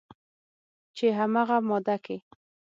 چې همغه ماده کې